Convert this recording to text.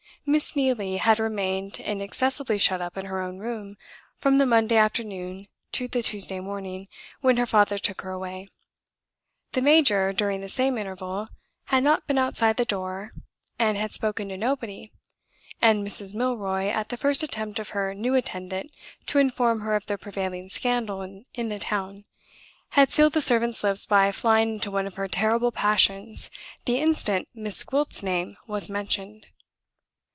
Miss Neelie had remained inaccessibly shut up in her own room, from the Monday afternoon to the Tuesday morning when her father took her away. The major, during the same interval, had not been outside the door, and had spoken to nobody And Mrs. Milroy, at the first attempt of her new attendant to inform her of the prevailing scandal in the town, had sealed the servant's lips by flying into one of her terrible passions the instant Miss Gwilt's name was mentioned.